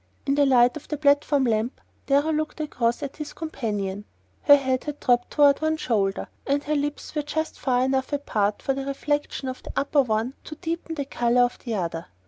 In the light of the platform lamp Darrow looked across at his companion. Her head had dropped toward one shoulder, and her lips were just far enough apart for the reflection of the upper one to deepen the colour of the other.